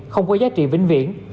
không có giá trị vĩnh viễn